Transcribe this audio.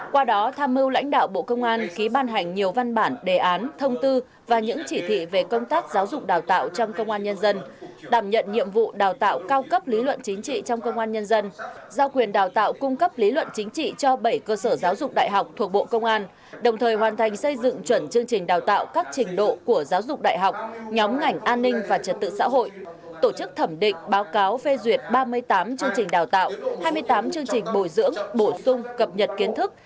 qua đó tham mưu lãnh đạo bộ công an ký ban hành nhiều văn bản đề án thông tư và những chỉ thị về công tác giáo dục đào tạo trong công an nhân dân đảm nhận nhiệm vụ đào tạo cao cấp lý luận chính trị trong công an nhân dân giao quyền đào tạo cung cấp lý luận chính trị cho bảy cơ sở giáo dục đại học thuộc bộ công an đồng thời hoàn thành xây dựng chuẩn chương trình đào tạo các trình độ của giáo dục đại học nhóm ngành an ninh và trật tự xã hội tổ chức thẩm định báo cáo phê duyệt ba mươi tám chương trình đào tạo hai mươi tám